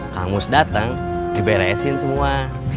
kang mus datang diberesin semua